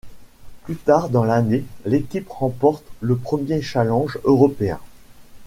Plus tard dans l’année, l'équipe remporte le premier Challenge européen.